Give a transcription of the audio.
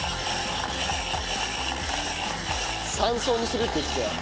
３層にするって言ってたよ。